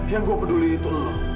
yang gue peduli itu allah